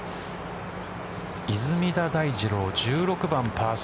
出水田大二郎、１６番パー３。